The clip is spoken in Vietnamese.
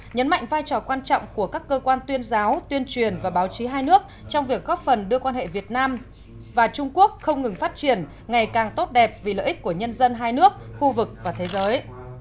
nhấn mạnh vai trò quan trọng của các cơ quan tuyên giáo tuyên truyền và báo chí hai nước trong việc góp phần đưa quan hệ việt nam và trung quốc không ngừng phát triển ngày càng tốt đẹp vì lợi ích của nhân dân hai nước khu vực và thế giới